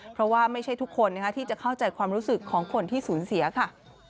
เพราะว่าไม่ใช่ทุกคนที่จะเข้าใจความรู้สึกของคนที่สูญเสียค่ะ